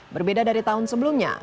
berbeda dari tahun sebelumnya